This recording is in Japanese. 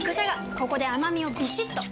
ここで甘みをビシッと！